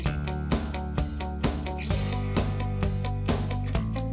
ไม่มีทางเลือก